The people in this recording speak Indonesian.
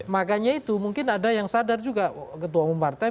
makanya itu mungkin ada yang sadar juga ketua umum partai